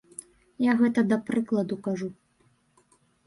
Я гэта да прыкладу кажу.